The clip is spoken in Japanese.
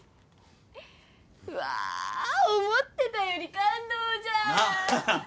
うわ思ってたより感動じゃん！なあ。